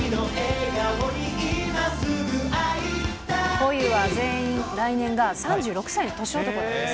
ふぉゆは全員、来年が３６歳で年男なんです。